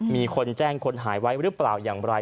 มีคนแจ้งคนหายไว้หรือเปล่าอย่างไร